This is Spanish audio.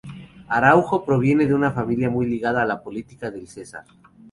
Araújo proviene de una familia muy ligada a la política del Cesar.